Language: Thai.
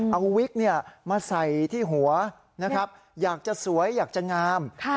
เอาวิกมาใส่ที่หัวนะครับอยากจะสวยอยากจะงาม